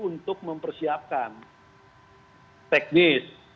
untuk mempersiapkan teknis